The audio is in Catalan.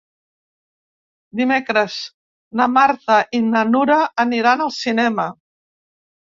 Dimecres na Marta i na Nura aniran al cinema.